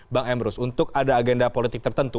bang emrus untuk ada agenda politik tertentu